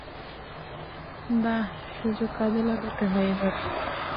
বাহ, সুযোগ কাজে লাগাতে হয় এভাবেই!